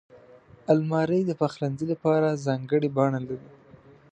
الماري د پخلنځي لپاره ځانګړې بڼه لري